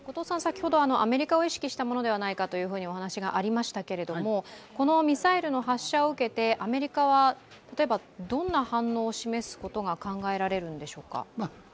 アメリカを意識したものではないかという話がありましたが、このミサイルの発射を受けて、アメリカは例えばどんな反応を示すことが考えられるんでしょうか？